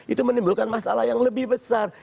itu menimbulkan masalah yang lebih besar